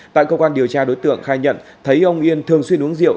tại cơ quan điều tra đối tượng khai nhận thấy ông yên thường xuyên uống rượu